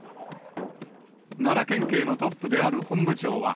奈良県警のトップである本部長は、